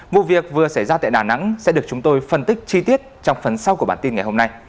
vụ việc vừa xảy ra tại đà nẵng sẽ được chúng tôi phân tích chi tiết trong phần sau của bản tin ngày hôm nay